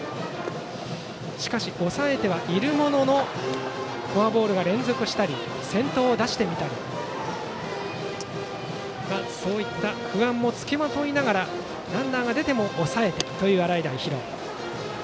抑えてはいるもののフォアボールが連続したり先頭を出してみたりそういった不安も付きまといながらランナーが出ても抑えてという洗平比呂。